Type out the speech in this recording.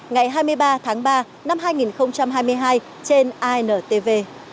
ngày hai mươi ba tháng ba năm hai nghìn hai mươi hai trên intv